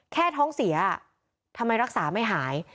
ท้องเสียทำไมรักษาไม่หาย